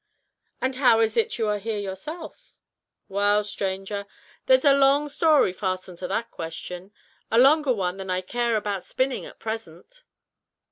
"And how is it you are here yourself?" "Wal, stranger, there's a long story fastened to that question a longer one than I care about spinning at present."